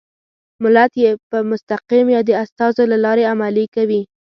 ملت یې په مستقیم یا د استازو له لارې عملي کوي.